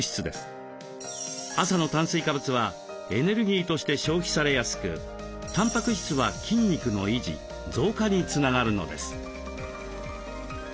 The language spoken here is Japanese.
朝の炭水化物はエネルギーとして消費されやすくたんぱく質は筋肉の維持増加につながるのです。